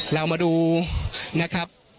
เรามาดูนะครับ